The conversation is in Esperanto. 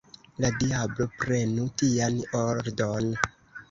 La diablo prenu tian ordon!